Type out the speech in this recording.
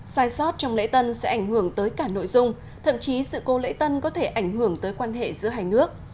sai sót trong lễ tân sẽ ảnh hưởng tới cả nội dung thậm chí sự cố lễ tân có thể ảnh hưởng tới quan hệ giữa hai nước